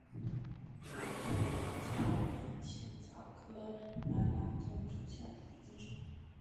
卵叶轮草为茜草科拉拉藤属下的一个种。